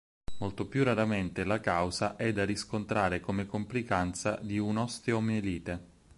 Molto più raramente la causa è da riscontrare come complicanza di un'osteomielite.